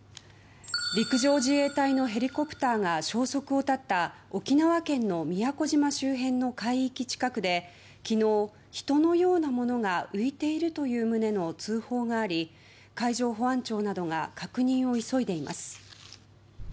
陸上自衛隊のヘリコプターが消息を絶った沖縄県の宮古島周辺の海域近くで昨日人のようなものが浮いているという旨の通報があり海上保安庁などが確認を急いでいます。